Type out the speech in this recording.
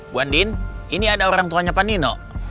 bu andin ini ada orang tuanya pak nino